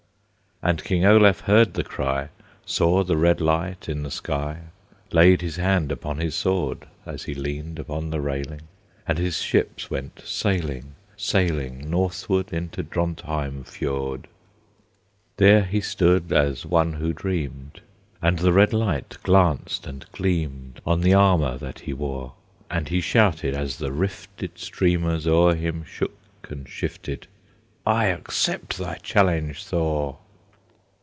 And King Olaf heard the cry, Saw the red light in the sky, Laid his hand upon his sword, As he leaned upon the railing, And his ships went sailing, sailing Northward into Drontheim fiord. There he stood as one who dreamed; And the red light glanced and gleamed On the armor that he wore; And he shouted, as the rifted Streamers o'er him shook and shifted, "I accept thy challenge, Thor!"